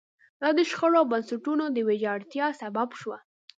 دا د شخړو او بنسټونو د ویجاړتیا سبب شوه.